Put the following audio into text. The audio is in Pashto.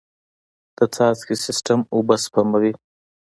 د څاڅکي سیستم اوبه سپموي.